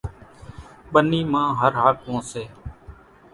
ٻنِي مان هر هاڪوون سي۔